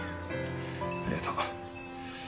ありがとう。